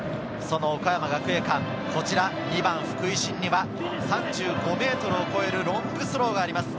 岡山学芸館の２番・福井槙には３５ｍを超えるロングスローがあります。